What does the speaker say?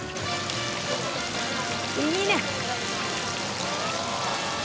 いいね！